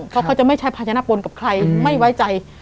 เพราะเขาจะไม่ใช้ภาชนะปนกับใครไม่ไว้ใจ